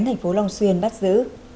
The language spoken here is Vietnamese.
thành phố long xuyên bắt giữ